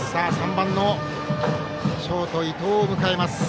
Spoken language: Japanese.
３番のショート、伊藤を迎えます。